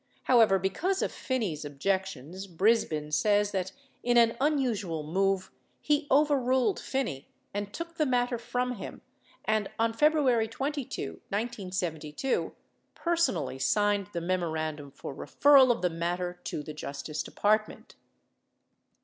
How ever, because of Phinney's objections, Brisbin says that, in an unusual move, he overruled Phinney and took the matter from him and, on February 22, 1972, personally signed the memorandum for referral of the matter to the Justice Department.